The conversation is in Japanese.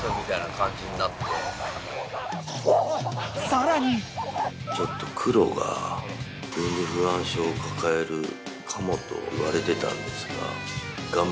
［さらに］クロが分離不安症を抱えるかもと言われてたんですが。